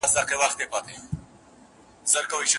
څېړونکی د متن جوړښت څنګه تحلیلوي؟